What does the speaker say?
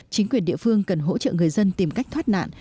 chính quyền địa phương cần hỗ trợ người dân tìm cách thoát nạn